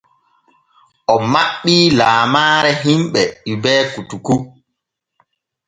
O maɓɓii laamaare hiɓɓe Hubert koutoukou.